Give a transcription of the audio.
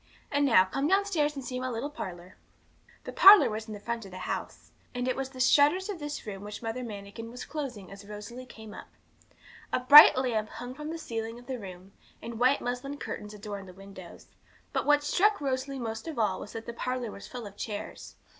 And now, come downstairs and see my little parlour.' The parlour was in the front of the house, and it was the shutters of this room which Mother Manikin was closing as Rosalie came up. A bright lamp hung from the ceiling of the room, and white muslin curtains adorned the window; but what struck Rosalie most of all was that the parlour was full of chairs.